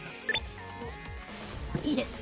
いいです。